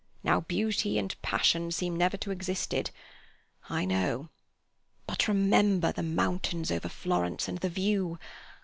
Now Beauty and Passion seem never to have existed. I know. But remember the mountains over Florence and the view.